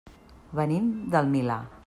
Venim del Milà.